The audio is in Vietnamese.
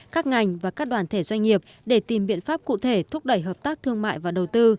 các ngành và các đoàn thể doanh nghiệp để tìm biện pháp cụ thể thúc đẩy hợp tác thương mại và đầu tư